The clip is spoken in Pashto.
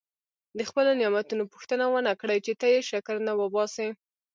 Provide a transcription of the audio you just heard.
د خپلو نعمتونو پوښتنه ونه کړي چې ته یې شکر نه وباسې.